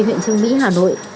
huyện trưng mỹ hà nội